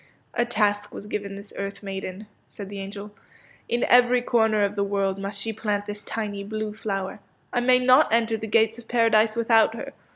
A task was given this earth maiden," said the angel. '' In every corner of the world must she plant this tiny blue flower. I may not enter the gates of Paradise without her.